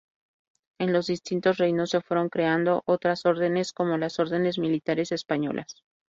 En los distintos reinos se fueron creando otras órdenes, como las órdenes militares españolas.